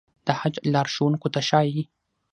د حج لارښوونکو ته ښايي.